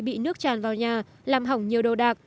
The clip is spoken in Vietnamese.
bị nước tràn vào nhà làm hỏng nhiều đồ đạc